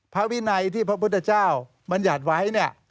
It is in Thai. ภาควินัยที่พระพุทธเจ้ามันหยัดไว้